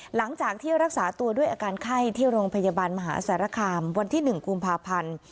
หลังจากที่รักษาตัวด้วยอาการไข้ที่โรงพยาบาลมหาสารคามวันที่๑กุมภาพันธ์